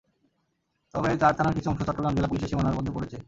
তবে চার থানার কিছু অংশ চট্টগ্রাম জেলা পুলিশের সীমানার মধ্যে পড়েছে।